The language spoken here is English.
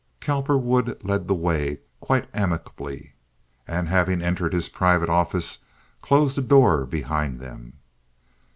Cowperwood led the way quite amicably, and, having entered his private office, closed the door behind him.